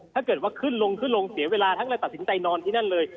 ถ้าเกิดขึ้นลงเสียเวลาท่านก็ตัดสินใจนอนที่นั่นเลย